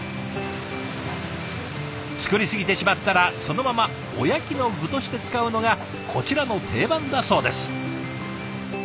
作り過ぎてしまったらそのままおやきの具として使うのがこちらの定番だそうです。